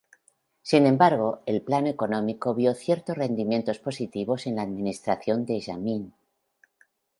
Sin embargo, el plano económico vio ciertos rendimientos positivos en la administración de Yameen.